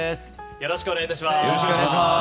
よろしくお願いします。